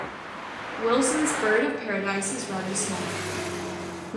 Wilson's bird-of-paradise is rather small.